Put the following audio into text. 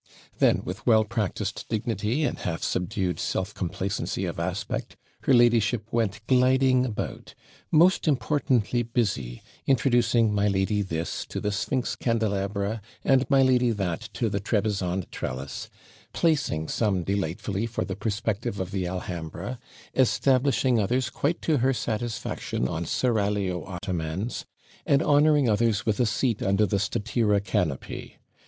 Then, with well practised dignity, and half subdued self complacency of aspect, her ladyship went gliding about most importantly busy, introducing my lady THIS to the sphynx candelabra, and my lady THAT to the Trebisond trellice; placing some delightfully for the perspective of the Alhambra; establishing others quite to her satisfaction on seraglio ottomans; and honouring others with a seat under the statira canopy.